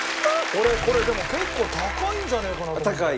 俺これでも結構高いんじゃねえかなと思ってたの。